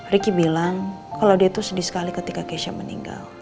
ricky bilang kalau dia sedih sekali ketika kesha meninggal